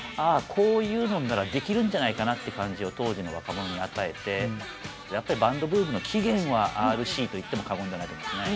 こういうのならできるんじゃないかなって感じを当時の若者に与えてやっぱりバンドブームの起源はＲＣといっても過言ではないと思いますね。